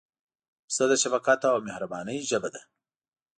پسه د شفقت او مهربانۍ ژبه ده.